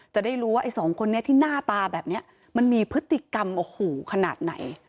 จะได้รู้ว่าไอ้สองคนนี้ที่หน้าตาแบบนี้มันมีพฤติกรรมโอ้โหขนาดไหน